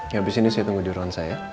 ya abis ini saya tunggu di ruangan saya